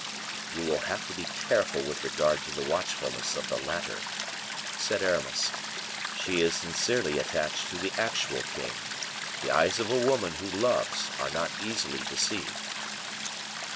"You will have to be careful with regard to the watchfulness of the latter," said Aramis; "she is sincerely attached to the actual king. The eyes of a woman who loves are not easily deceived."